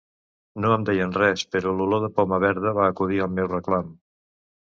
No em deien res, però l'olor de poma verda va acudir al meu reclam.